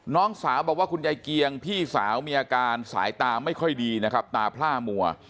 น้องสาวบอกว่าคุณยายเกียงพี่สาวมีอาการสายตาไม่ค่อยดีนะครับตาพล่ามัว